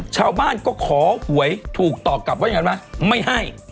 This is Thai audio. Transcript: ชาวบ้านก็ขอหวยถูกตอบกลับว่าอย่างนั้นไหมไม่ให้